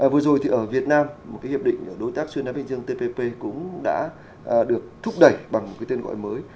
vừa rồi thì ở việt nam một cái hiệp định đối tác xuyên áp bên dương tpp cũng đã được thúc đẩy bằng cái tên gọi mới